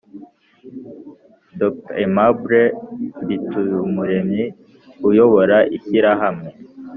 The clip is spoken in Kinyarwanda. dr aimable mbituyumuremyi uyobora ishyirahamwe